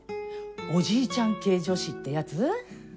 おじいちゃん系女子ってやつ？